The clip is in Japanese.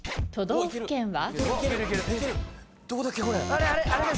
都道府県は？